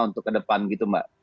untuk kedepan gitu mbak